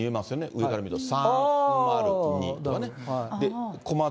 上から見ると３０２と。